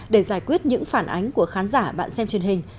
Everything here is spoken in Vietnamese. để giải quyết những phản ánh của khán giả bạn xem truyền hình